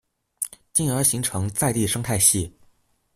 進而形成在地生態系